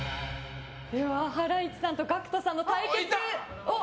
では、ハライチさんとＧＡＣＫＴさんの対決。